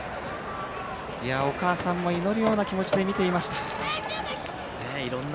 お母さんも祈るような気持ちで見ていました。